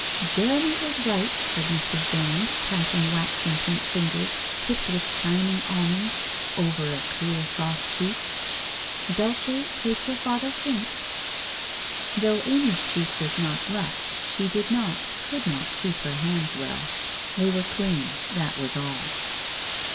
' Jeremy is right,' said Mrs. Dand, passing waxen pink fingers, tipped with shining almonds, over a clear soft cheek. 'Dulce, take your father's hint.' Though Amy's cheek was not rough, she did not, could not keep her hands well. They were clean, that was all.